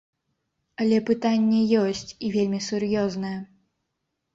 Але пытанне ёсць, і вельмі сур'ёзнае.